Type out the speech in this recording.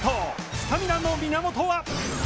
スタミナの源は。